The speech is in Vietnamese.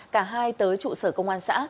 cả hai tới trụ sở công an xã